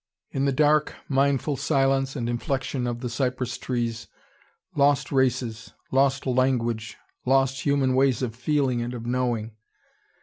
In the dark, mindful silence and inflection of the cypress trees, lost races, lost language, lost human ways of feeling and of knowing.